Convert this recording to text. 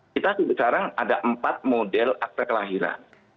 kita sekarang ada empat model akte kelahiran